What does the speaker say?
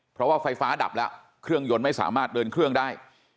เพราะว่าไฟฟ้าดับแล้วเครื่องยนต์ไม่สามารถเดินเครื่องได้